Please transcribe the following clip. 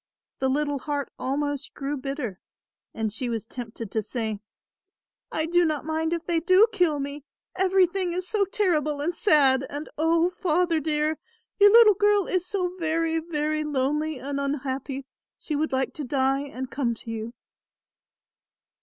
The little heart almost grew bitter and she was tempted to say; "I do not mind if they do kill me, everything is so terrible and sad and, O Father dear, your little girl is so very very lonely and unhappy she would like to die and come to you."